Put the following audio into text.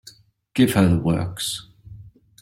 Give her the works.